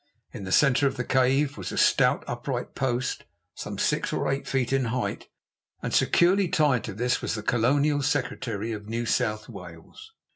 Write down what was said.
In the centre of the cave was a stout upright post, some six or eight feet in height, and securely tied to this was the Colonial Secretary of New South Wales.